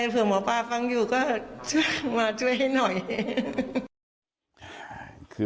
เผื่อหมอปาฟังอยู่